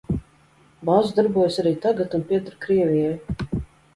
Bāze darbojas arī tagad un pieder Krievijai.